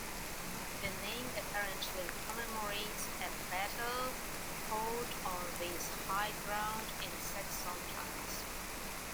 The name apparently commemorates a battle fought on this high ground in Saxon times.